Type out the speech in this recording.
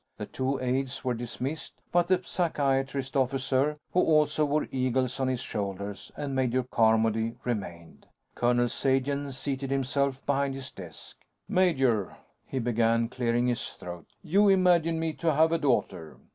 The two aides were dismissed, but the psychiatrist officer, who also wore eagles on his shoulders, and Major Carmody remained. Colonel Sagen seated himself behind his desk. "Major," he began, clearing his throat, "you imagine me to have a daughter.